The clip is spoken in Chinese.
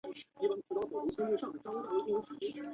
许多志同道合者都在这里寻找对象。